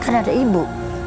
kan ada ibu